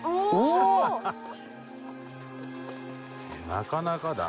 なかなかだな。